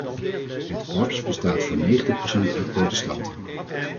Het korps bestaat voor negentig procent uit protestanten ...